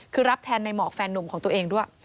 คือรับแทนในหมอกแฟนหนุ่มของตัวเองด้วย